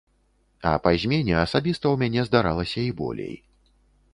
А па змене асабіста ў мяне здаралася і болей.